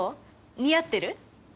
似合ってる？